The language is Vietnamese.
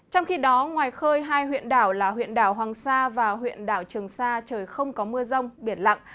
trong khi đó ngoài khơi hai huyện đảo là huyện đảo hoàng sa và huyện đảo trường sa trời không có mưa rông biển lặng